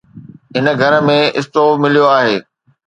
هن گهر ۾ اسٽو مليو هو